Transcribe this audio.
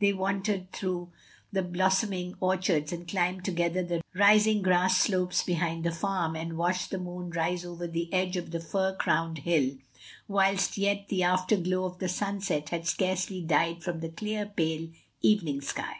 They wandered through the blossoming orchards and climbed together the rising grass slopes behind the farm, and watched the moon rise over the edge of the fir crowned hill, whilst yet the afterglow of the sunset had scarcely died from the clear, pale, evening sky.